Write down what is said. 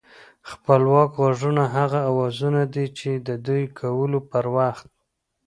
خپلواک غږونه هغه اوازونه دي چې د دوی کولو پر وخت